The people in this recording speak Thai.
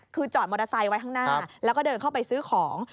คือจอดมอเตอร์ไซค์ไว้ข้างหน้าแล้วก็เดินเข้าไปซื้อของ